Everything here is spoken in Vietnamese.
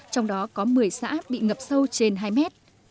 trong đó có một mươi xã bị ngập sâu trên hai mét